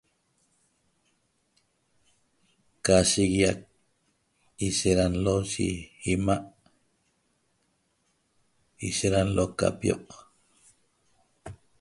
Ca shiguiac ishet ra nlo yi ima' ishet ra nlo ca pioq